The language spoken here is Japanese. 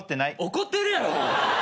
怒ってるやろ。